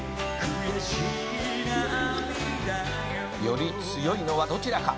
「より強いのはどちらか？」